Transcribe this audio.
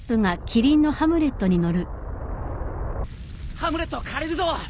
ハムレット借りるぞ！